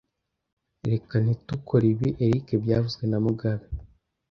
Reka ntitukore ibi, Eric byavuzwe na mugabe